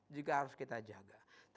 juga harus kita jaga